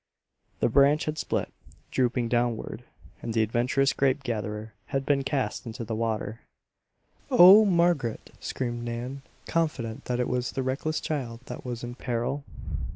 The branch had split, drooping downward, and the adventurous grape gatherer had been cast into the water. "Oh, Margaret!" screamed Nan, confident that it was the reckless child that was in peril.